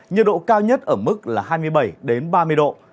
nhiệt độ cao nhất ở mức là hai mươi bảy ba mươi độ